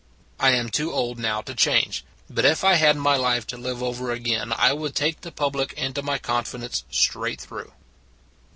I am too old now to change : but if I had my life to live over again I would take the public into my confidence straight through."